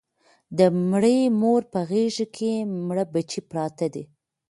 د مړې مور په غېږ کې مړه بچي پراته دي